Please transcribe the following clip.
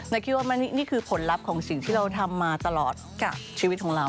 คิดว่านี่คือผลลัพธ์ของสิ่งที่เราทำมาตลอดกับชีวิตของเรา